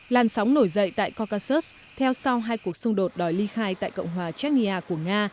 làn sóng nổi dậy tại kokasus theo sau hai cuộc xung đột đòi ly khai tại cộng hòa cherrya của nga